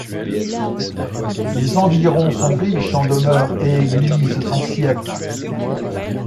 Les environs sont riches en demeures et églises anciennes.